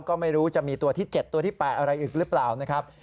ก็ไม่รู้จะมีตัวที่๗ตัวที่๘อะไรอีกหรือเปล่านะครับ